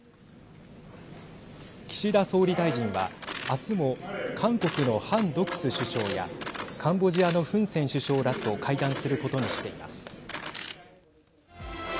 岸田総理大臣は明日も韓国のハン・ドクス首相やカンボジアのフン・セン首相らと会談することにしています。